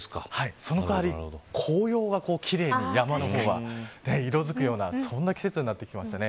その代わり紅葉が奇麗に山の方は色づくようなそんな季節になってきましたね。